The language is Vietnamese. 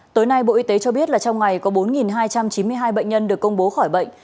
tối nay bộ y tế cho biết là trong ngày có bốn hai trăm chín mươi hai bệnh nhân được công bố khỏi bệnh